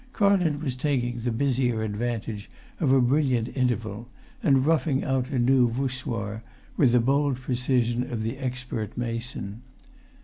Carlton was taking the busier advantage of a brilliant interval, and roughing out a new voussoir with the bold precision of the expert mason.